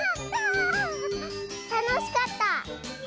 たのしかった！